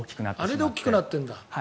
あれで大きくなってるんだ。